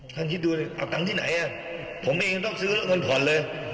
คิดดูเอาตังค์ที่ไหนผมเองต้องซื้อเงินผ่อนเลย